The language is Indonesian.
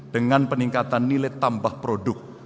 dengan peningkatan nilai tambah produk